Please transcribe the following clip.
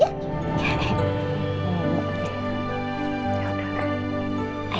ya udah yaudah